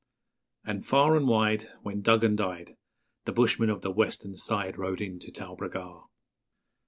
_And far and wide When Duggan died, The bushmen of the western side Rode in to Talbragar.